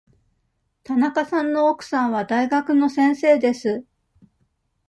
田中さんの奥さんは大学の先生です。